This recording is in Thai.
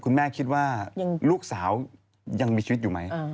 คุณแม่คิดว่าลูกสาวยังมีชีวิตอยู่ไหม